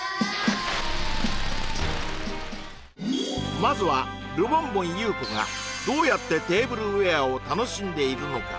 まずはルボンボン優子がどうやってテーブルウェアを楽しんでいるのか？